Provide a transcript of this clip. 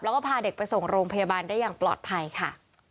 แล้วก็พาเด็กไปส่งโรงพยาบาลได้อย่างปลอดภัยค่ะ